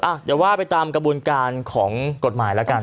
เดี๋ยวว่าไปตามกระบวนการของกฎหมายแล้วกัน